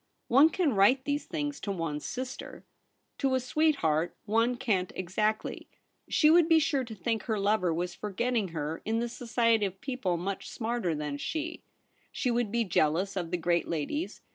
One can write these things to one's sister. To a sweetheart one can't exactly ; she would be sure to think her lover was forgetting her in the society of people much smarter than she ; she would be jealous of the great ladies, ROLFE BELLARMIN.